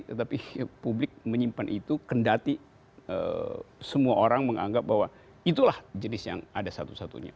tetapi publik menyimpan itu kendati semua orang menganggap bahwa itulah jenis yang ada satu satunya